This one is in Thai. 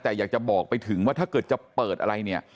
แต่อยากจะบอกไปถึงว่าถ้าเกิดจะเปิดอะไรเนี่ย